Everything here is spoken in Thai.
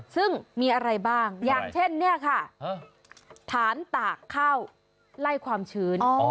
ซึ่งมีอะไรบ้างอย่างเช่นเนี่ยค่ะฐานตากข้าวไล่ความชื้น